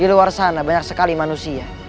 di luar sana banyak sekali manusia